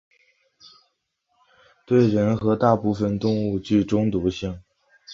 对人和大部分动物具中毒性。